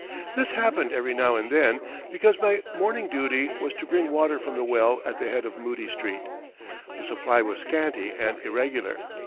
This happened every now and then because my morning duty was to bring water from the well at the head of Moodie Street. The supply was scanty and irregular.